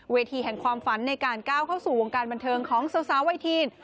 แห่งความฝันในการก้าวเข้าสู่วงการบันเทิงของสาวไททีน